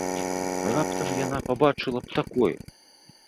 А раптам яна пабачыла б такое?